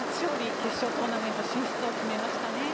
決勝トーナメント進出を決めましたね。